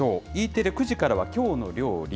Ｅテレ９時からはきょうの料理。